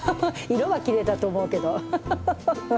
色はきれいだと思うけどアハハハ。